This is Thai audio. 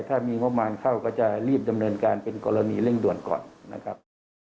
ถ้ามีงบประมาณเข้าก็จะรีบดำเนินการเป็นกรณีเร่งด่วนก่อนนะครับ